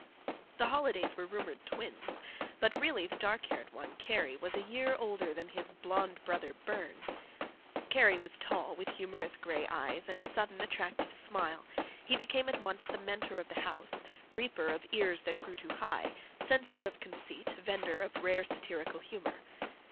The Holidays were rumored twins, but really the dark haired one, Kerry, was a year older than his blond brother, Burne. Kerry was tall, with humorous gray eyes, and a sudden, attractive smile; he became at once the mentor of the house, reaper of ears that grew too high, censor of conceit, vendor of rare, satirical humor.